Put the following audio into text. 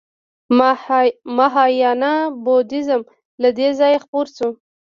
مهایانا بودیزم له دې ځایه خپور شو